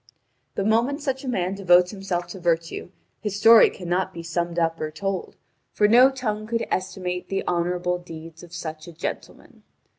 The moment such a man devotes himself to virtue, his story cannot be summed up or told, for no tongue could estimate the honourable deeds of such a gentleman.